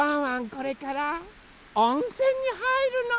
これからおんせんにはいるの。